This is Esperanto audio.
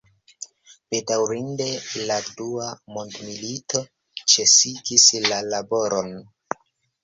Bedaŭrinde la dua mondmilito ĉesigis la laboron.